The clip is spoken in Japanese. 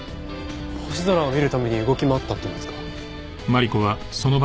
星空を見るために動き回ったっていうんですか？